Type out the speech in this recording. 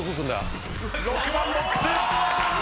６番ボックス！